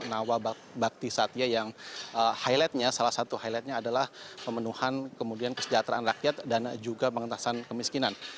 nawa bakti satya yang highlightnya salah satu highlightnya adalah pemenuhan kemudian kesejahteraan rakyat dan juga pengentasan kemiskinan